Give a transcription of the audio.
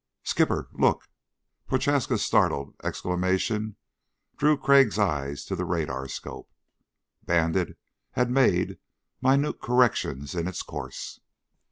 "Skipper, look." Prochaska's startled exclamation drew Crag's eyes to the radarscope. Bandit had made minute corrections in its course.